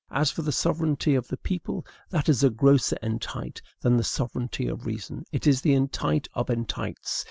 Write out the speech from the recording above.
As for the sovereignty of the people, that is a grosser entite than the sovereignty of reason; it is the entite of entites.